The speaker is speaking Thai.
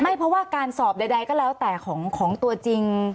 ไม่เพราะว่าการสอบใดก็แล้วแต่ของตัวจริง